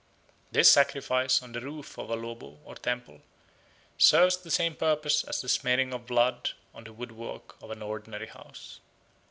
This sacrifice on the roof of a lobo or temple serves the same purpose as the smearing of blood on the woodwork of an ordinary house.